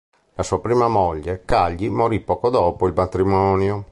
La sua prima moglie, Cagli morì poco dopo il matrimonio.